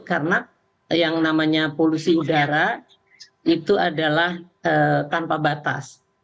karena yang namanya polusi udara itu adalah tanpa batang